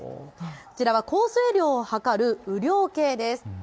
こちらは降水量を測る雨量計です。